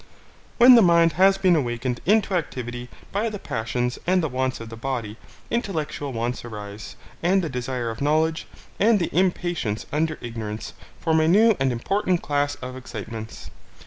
When the mind has been awakened into activity by the passions, and the wants of the body, intellectual wants arise; and the desire of knowledge, and the impatience under ignorance, form a new and important class of excitements.